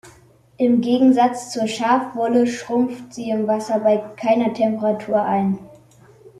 Im Gegensatz zur Schafwolle schrumpft sie im Wasser bei keiner Temperatur ein.